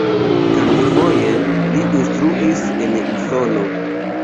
Kelkfoje li instruis en Usono.